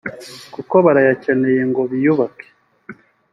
kuko barayakeneye ngo biyubake